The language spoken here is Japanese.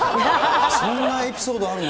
そんなエピソードあるの？